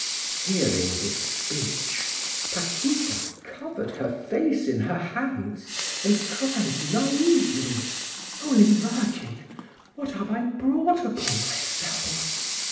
Hearing this speech, Paquita covered her face in her hands, and cried naively: "Holy Virgin! What have I brought upon myself?"